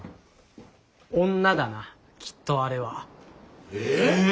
女だなきっとあれは。え！？